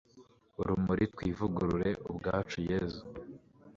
urumuri, twivugurure ubwacu, yezu